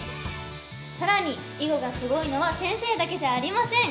さらに囲碁がすごいのは先生だけじゃありません！